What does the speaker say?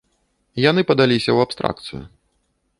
Яны падаліся ў абстракцыю.